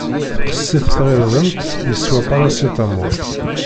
Teqqes-it tɣirdemt, yeswa paracetamol!